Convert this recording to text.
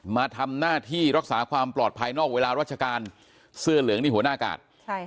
มาทำหน้าที่รักษาความปลอดภัยนอกเวลาราชการเสื้อเหลืองนี่หัวหน้ากาศ